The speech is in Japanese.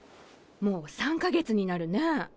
もう３か月になるねぇ。